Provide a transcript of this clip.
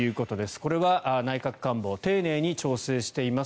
これは内閣官房丁寧に調整しています